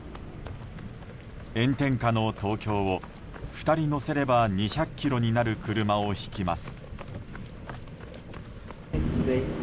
炎天下の東京を２人乗せれば２００ｋｇになる車を引きます。